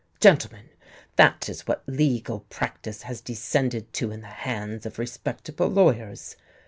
Gentlemen, that is what 'legal practice' has descended to in the hands of respectable lawyers.